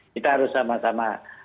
kita harus sama sama